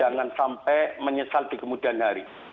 jangan sampai menyesal di kemudian hari